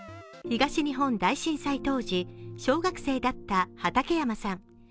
東日本大震災当時小学生だった畠山さん。